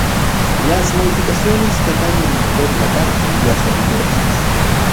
Las modificaciones que atañen al motor y la carrocería son numerosas.